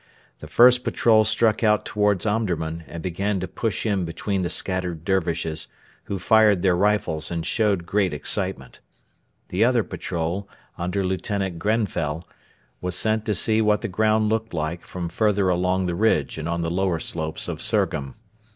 The first patrol struck out towards Omdurman, and began to push in between the scattered Dervishes, who fired their rifles and showed great excitement. The other patrol, under Lieutenant Grenfell, were sent to see what the ground looked like from further along the ridge and on the lower slopes of Surgham.